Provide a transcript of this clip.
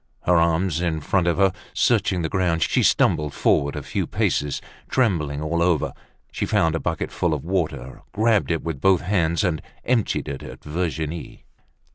Her arms in front of her, searching the ground, she stumbled forward a few paces. Trembling all over, she found a bucket full of water, grabbed it with both hands, and emptied it at Virginie.